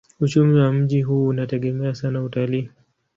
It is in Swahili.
Uchumi wa mji huu unategemea sana utalii.